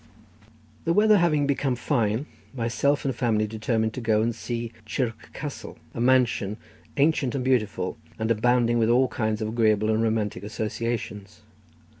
The weather having become fine, myself and family determined to go and see Chirk Castle, a mansion ancient and beautiful, and abounding with all kinds of agreeable and romantic associations.